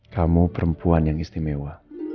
kamu perempuan yang istimewa